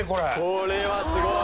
これはすごい。